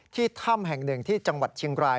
ถ้ำแห่งหนึ่งที่จังหวัดเชียงราย